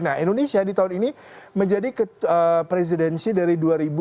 nah indonesia di tahun ini menjadi presidensi dari dua ribu dua puluh